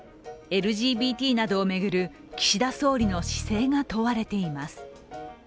ＬＧＢＴなどを巡る岸田総理の姿勢が問われています。